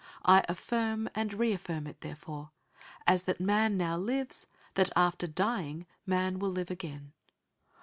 I afilirm and reafilirm it, therefore, As that man now lives, that after dying man will live again.